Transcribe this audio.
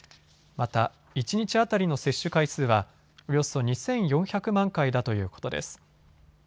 また一日当たりの接種回数はおよそ２４００万回だということです。